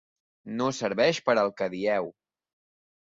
No serveix per al que dieu.